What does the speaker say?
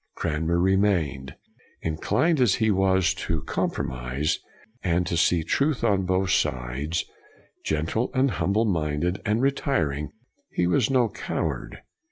Cranmer remained. In clined as he was to compromise, and to see truth on both sides, gentle and humble minded and retiring, he was no coward.